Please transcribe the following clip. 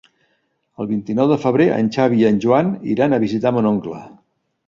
El vint-i-nou de febrer en Xavi i en Joan iran a visitar mon oncle.